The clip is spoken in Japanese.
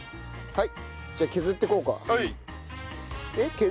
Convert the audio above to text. はい。